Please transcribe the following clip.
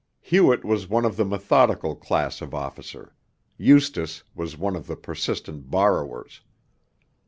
Hewett was one of the methodical class of officer, Eustace was one of the persistent borrowers.